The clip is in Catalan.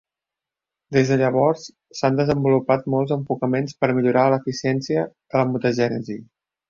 Des de llavors, s'han desenvolupat molts enfocaments per millorar l'eficiència de la mutagènesi.